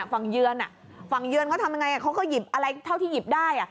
ฝั่งเยือนเขาก็ทำอย่างไรเขาก็หยิบอะไรเท่าที่หยิบได้